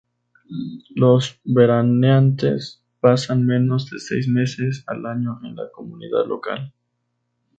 Los veraneantes pasan menos de seis meses al año en la comunidad local.